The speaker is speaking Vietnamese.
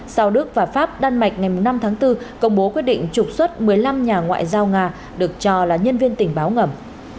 sau đức và pháp đan mạch ngày năm tháng bốn công bố quyết định trục xuất một mươi năm nhà ngoại giao nga được cho là nhân viên tình báo ngầm